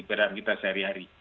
berharga kita sehari hari